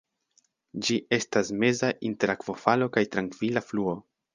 Ĝi estas meza inter akvofalo kaj trankvila fluo.